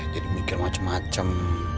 jadi mikir macem macem